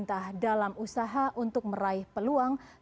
jadi untuk itu